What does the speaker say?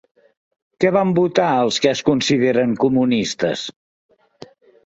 Què van votar els que es consideren comunistes?